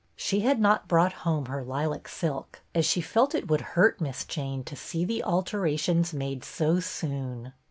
She had not brought home her lilac silk, as she felt it would hurt Miss Jane to see the alterations made so soon.